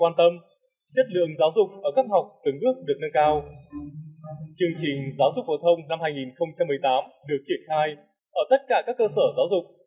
năm hai nghìn một mươi tám được triển khai ở tất cả các cơ sở giáo dục